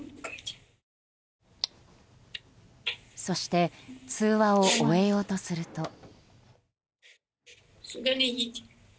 そして通話を終えようとすると。